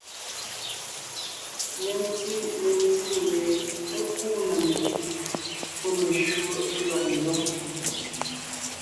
Menti mentí mie é kúu na mekú pɔ́ meshÿó lélɔg ńzoŋ.